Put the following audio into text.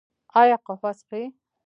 ایا قهوه څښئ؟